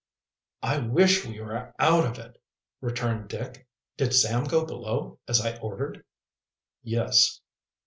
"I wish we were out of it," returned Dick. "Did Sam go below, as I ordered?" "Yes."